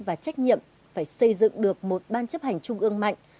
và trách nhiệm phải xây dựng được một ban chấp hành trung ương mạnh